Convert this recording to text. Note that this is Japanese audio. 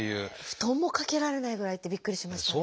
布団もかけられないぐらいってびっくりしましたね。